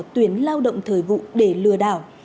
tuyển lao động thời vụ để lừa đảo